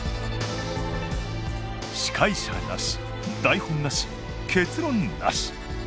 司会者なし台本なし結論なし。